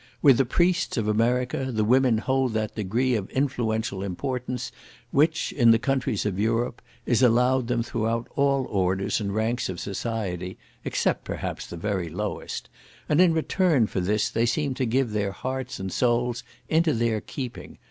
With the priests of America, the women hold that degree of influential importance which, in the countries of Europe, is allowed them throughout all orders and ranks of society, except, perhaps, the very lowest; and in return for this they seem to give their hearts and souls into their keeping.